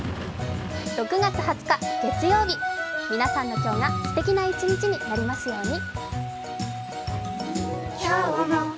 ６月２０日月曜日、皆さんの今日がすてきな一日になりますように。